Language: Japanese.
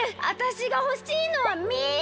あたしがほしいのは水！